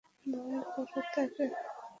ভয় কর তাঁকে।